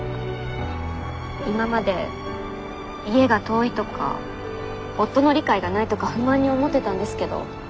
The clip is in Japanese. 今まで家が遠いとか夫の理解がないとか不満に思ってたんですけど。